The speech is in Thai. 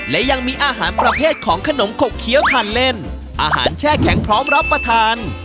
และยังมีอาหารประเภทของขนมขกเคี้ยวทานเล่นอาหารแช่แข็งพร้อมรับประทาน